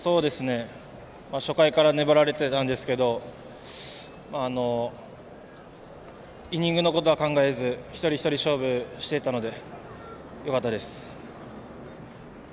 初回から粘られてたんですけどイニングのことは考えず一人一人勝負していったのでよかったです。